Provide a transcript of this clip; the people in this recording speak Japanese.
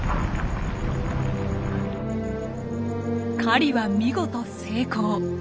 狩りは見事成功。